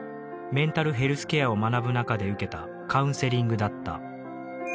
メンタルヘルスケアを学ぶ中で受けたカウンセリングだった。